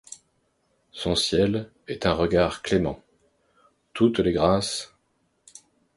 Son ciel est un regard clément. Toutes les grâces